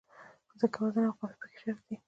ځکه وزن او قافیه پکې شرط دی.